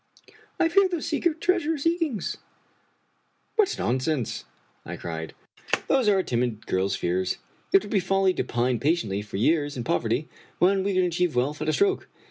I fear those secret treasure seekings." " What nonsense !" I cried ;" those are a timid girl's fears. It would be folly to pine patiently for years in poverty, when we can achieve wealth at a stroke.